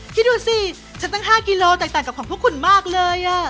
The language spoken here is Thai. พี่ดูสิฉันตั้ง๕กิโลเมตรแต่งกับของพวกคุณมากเลยอ่ะ